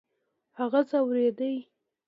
هغه ځورېدی .